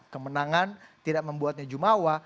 kemenangan tidak membuatnya jumawa